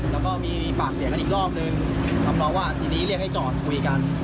แล้วก็มีปากเสียงกันอีกรอบนึงทำน้องว่าทีนี้เรียกให้จอดคุยกัน